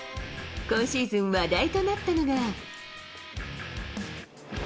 今シーズン話題となったのが。